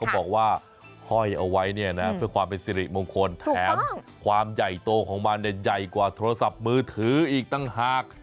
บอกว่าห้อยเอาไว้เนี่ยนะเพื่อความเป็นสิริมงคลแถมความใหญ่โตของมันเนี่ยใหญ่กว่าโทรศัพท์มือถืออีกต่างหาก